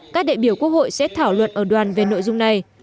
các đại biểu quốc hội sẽ thảo luận ở đoàn về nội dung này